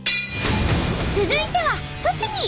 続いては栃木！